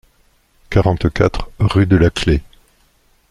quarante-quatre, rue de la Clef.